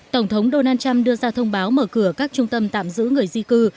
tổng thống donald trump đưa ra thông báo mở cửa các trung tâm tạm giữ người di cư